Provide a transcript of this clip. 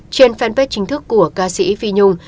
trên fanpage chính thức của ca sĩ phi nhung